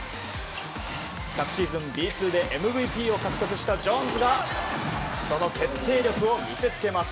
昨シーズンＢ２でＭＶＰを獲得したジョーンズがその決定力を見せつけます。